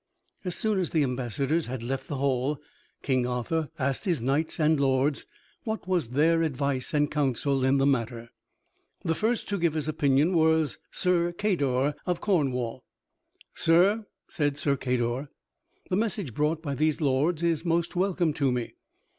As soon as the ambassadors had left the hall, King Arthur asked his knights and lords what was their advice and counsel in the matter. The first to give his opinion was Sir Cador of Cornwall. "Sir," said Sir Cador, "the message brought by these lords is most welcome to me.